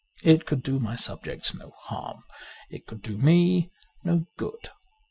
It could do my sub jects no harm ; it could do me no good.